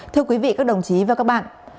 thưa quý vị các đồng chí và các bạn